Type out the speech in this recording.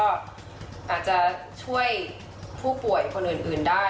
อาจจะช่วยผู้ป่วยคนอื่นได้